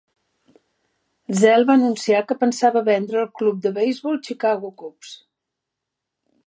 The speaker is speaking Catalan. Zell va anunciar que pensava vendre el club de beisbol Chicago Cubs.